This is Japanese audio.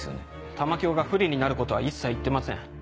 玉響が不利になることは一切言ってません。